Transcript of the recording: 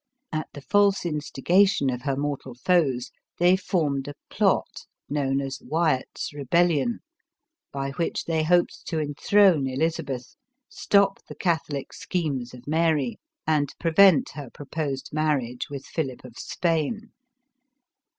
At the false instigation of her mortal foes, they formed a plot, known as Wyatt's rebellion, by which they hoped to enthrone Elizabeth, stop the Catholic schemes of Mary, and prevent her proposed marriage with Philip of Spain.